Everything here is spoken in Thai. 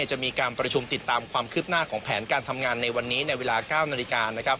จะมีการประชุมติดตามความคืบหน้าของแผนการทำงานในวันนี้ในเวลา๙นาฬิกานะครับ